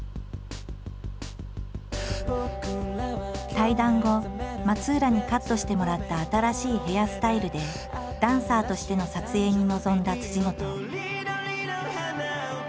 対談後松浦にカットしてもらった新しいヘアスタイルでダンサーとしての撮影に臨んだ本。